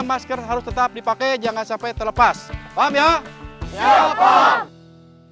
masker harus tetap dipakai jangan sampai terlepas paham ya ya paham